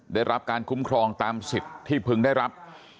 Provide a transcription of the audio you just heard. ได้รับการคุ้มครองตามสิทธิ์ที่พึงได้รับ